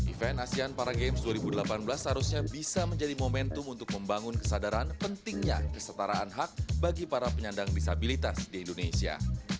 event asean para games dua ribu delapan belas seharusnya bisa menjadi momentum untuk membangun kesadaran pentingnya kesetaraan hak bagi para penyandang disabilitas di indonesia